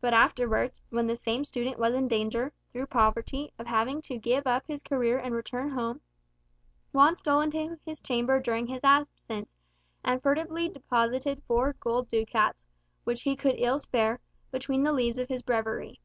But afterwards, when the same student was in danger, through poverty, of having to give up his career and return home, Juan stole into his chamber during his absence, and furtively deposited four gold ducats (which he could ill spare) between the leaves of his breviary.